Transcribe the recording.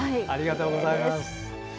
ありがとうございます。